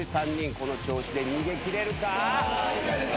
この調子で逃げ切れるか！？